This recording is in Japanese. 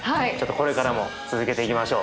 これからも続けていきましょう。